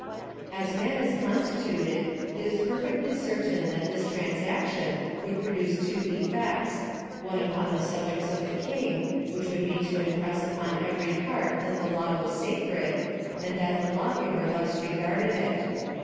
As man is constituted, it is perfectly certain that this transaction would produce two effects : one upon the subjects of the king, which would be to impress upon every heart that the law was sacred, and tliat the lawgiver thns regarded it.